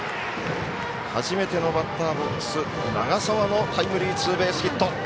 初めてのバッターボックス長澤のタイムリーツーベースヒット。